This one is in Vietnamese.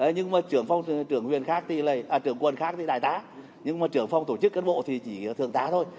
nhưng mà trưởng quân khác thì đại tá nhưng mà trưởng phong tổ chức cán bộ thì chỉ thường tá thôi